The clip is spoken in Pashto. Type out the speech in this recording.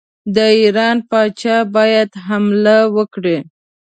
د ایران پاچا باید حمله وکړي.